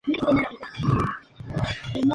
Principado de Neuchâtel